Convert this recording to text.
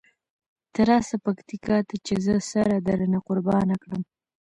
ته راسه پکتیکا ته چې زه سره درنه قربانه کړم.